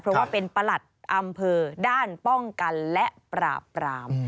เพราะว่าเป็นประหลัดอำเภอด้านป้องกันและปราบปราม